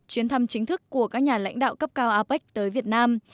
chuyến thăm chính thức của các nhà lãnh đạo cấp cao apec tới việt nam